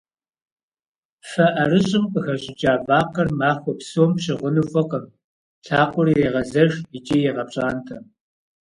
Фэ ӏэрыщӏым къыхэщӏыкӏа вакъэр махуэ псом пщыгъыну фӏыкъым, лъакъуэр ирегъэзэш икӏи егъэпщӏантӏэ.